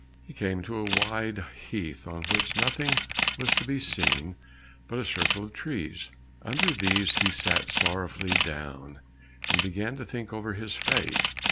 He came to a wide heath, on which nothing was to be seen but a circle of trees; under these he sat sorrowfully down, and began to think over his fate.